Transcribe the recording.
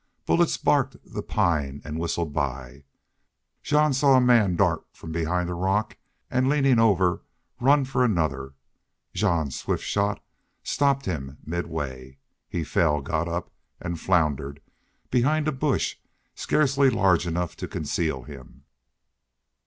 Bullets barked the pine and whistled by. Jean saw a man dart from behind a rock and, leaning over, run for another. Jean's swift shot stopped him midway. He fell, got up, and floundered behind a bush scarcely large enough to conceal him.